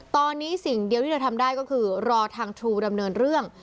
ตอนนี้สิ่งเดียวที่เธอทำได้ก็คือรอทางทรูดำเนินเรื่อง